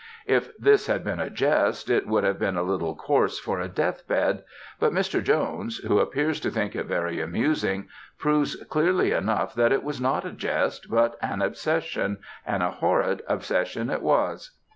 If this had been a jest, it would have been a little coarse for a deathbed. But Mr. Jones, who appears to think it very amusing, proves clearly enough that it was not a jest, but an obsession, and a horrid obsession it was.